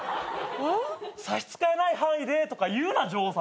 「差し支えない範囲で」とか言うな女王さまが。